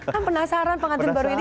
kan penasaran pengantin baru ini